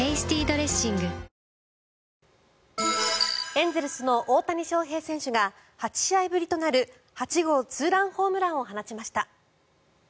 エンゼルスの大谷翔平選手が８試合ぶりとなる８号ツーランホームランを放ちました。